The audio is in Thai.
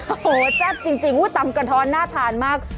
โอ้โฮแจ๊บจริงว่าตำกะท้อนน่าทานมาก